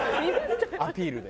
アピールで。